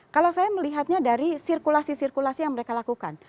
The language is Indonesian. kalau saya melihatnya dari sirkulasi sirkulasi yang mereka lakukan